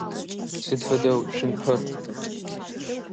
Сыд фэда цумпэр?